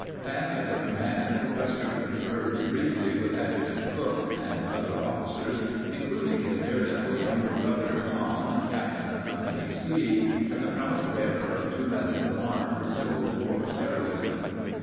Back at the command, Custer conferred briefly with Adjutant Cooke and other officers, including his daredevil younger brother Tom, captain of Com pany C and the proud bearer of two Medals of Honor for Civil War heroism.